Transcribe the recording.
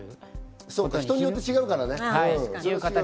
人によって違うからね。という形。